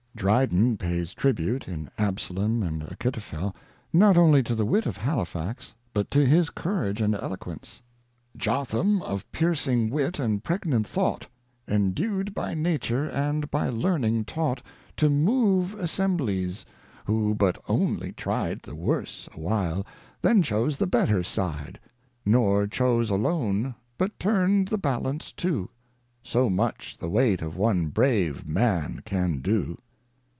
Dryden pays tribute, in Absalom and Achitophel, not only to the wit of Halifax, but to his courage and eloquence : Jotham of piercing Wit and pregnant Thought, Endew'd by nature and by learning taught To INTRODUCTION. xv To move Assemblies, who but onely tri'd The worse a while, then chose the better side ; Nor chose alone, but turned the Balance too ; So much the weight of one brave man can do.